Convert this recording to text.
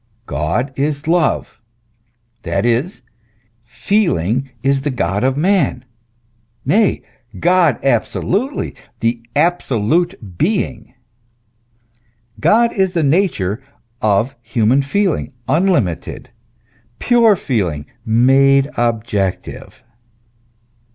God is love: that is, feeling is the God of man, nay, God absolutely, the Absolute Being. God is the nature of human feeling, unlimited, pure feeling, made objective.